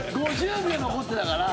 ５０秒残ってたから。